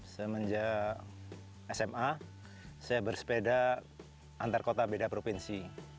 semenjak sma saya bersepeda antar kota beda provinsi